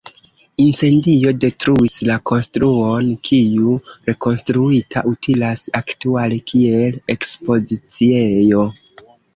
Incendio detruis la konstruon, kiu, rekonstruita, utilas aktuale kiel ekspoziciejo.